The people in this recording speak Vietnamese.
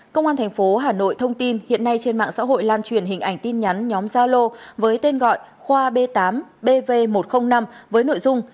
công an thành phố hà nội thông tin hiện nay trên mạng xã hội lan truyền hình ảnh tin nhắn nhóm gia lô với tên gọi khoa b tám bv một trăm linh năm với nội dung